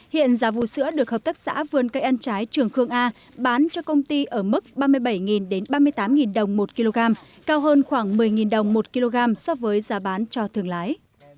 hiện giá vũ sữa được hợp tác xã vườn cây ăn trái trường khương a bán cho công ty ở mức ba mươi bảy ba mươi tám đồng một kg cao hơn khoảng một mươi đồng một kg so với giá bán cho thường lái